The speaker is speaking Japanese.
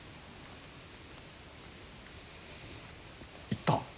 行った？